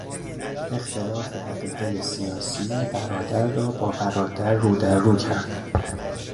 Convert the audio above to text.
اختلاف عقیدهی سیاسی برادر را با برادر رو در رو کرد.